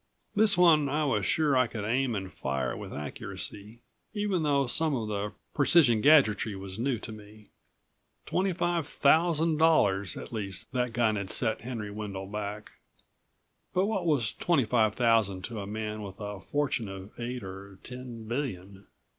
This one I was sure I could aim and fire with accuracy, even though some of the precision gadgetry was new to me. Twenty five thousand dollars at least that gun had set Henry Wendel back, but what was twenty five thousand to a man with a fortune of eight or ten billion?